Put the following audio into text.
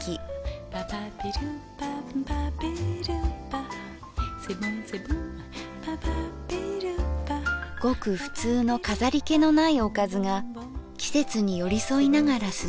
ごくふつうの飾り気のないおかずが季節に寄り添いながら進む。